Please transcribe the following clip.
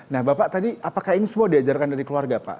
nah bapak tadi apakah ini semua diajarkan dari keluarga pak